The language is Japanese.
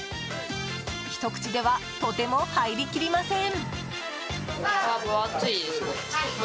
ひと口ではとても入りきりません。